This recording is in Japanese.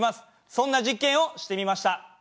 そんな実験をしてみました。